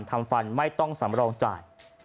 ทำฟันไม่ต้องสำรองจ่าย